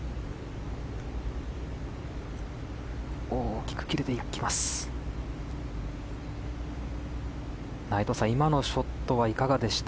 大きく切れていきます。